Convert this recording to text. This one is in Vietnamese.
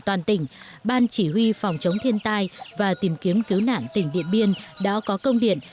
toàn tỉnh ban chỉ huy phòng chống thiên tai và tìm kiếm cứu nạn tỉnh điện biên đã có công điện